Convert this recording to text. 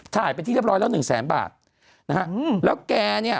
ถ่ายเป็นที่เรียบร้อยแล้วหนึ่งแสนบาทนะฮะอืมแล้วแกเนี่ย